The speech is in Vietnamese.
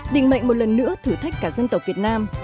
định mệnh một lần nữa thử thách cả dân tộc việt nam